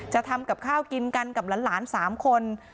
ทำกับข้าวกินกันกับหลาน๓คน